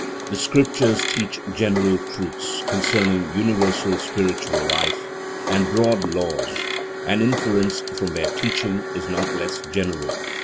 The Scriptures teach general truths, concerning universal spiritual life and broad laws, and inference from their teaching is not less general.